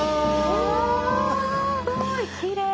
うわすごいきれい！